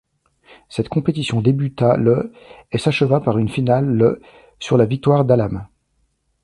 Cette compétition débuta le et s'acheva par une finale le sur la victoire d'Hallam.